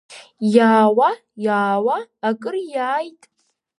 Иаауа, иаауа, акыр иааит.